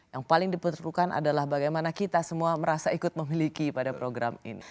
yang paling diperlukan adalah bagaimana kita semua merasa ikut memiliki pada program ini